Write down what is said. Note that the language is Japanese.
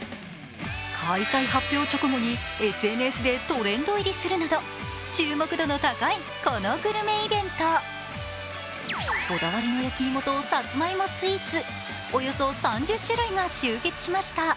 開催発表直後にＳＮＳでトレンド入りするなど注目度の高い、このグルメイベントこだわりの焼き芋とさつまいもスイーツ、およそ３０種類が集結しました。